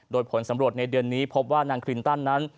โดยผลสำรวจในเดือนนี้พบว่านางคลินตันนั้น